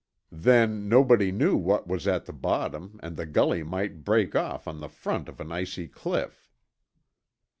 Then nobody knew what was at the bottom and the gully might break off on the front of an icy cliff.